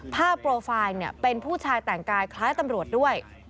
โปรไฟล์เป็นผู้ชายแต่งกายคล้ายตำรวจด้วย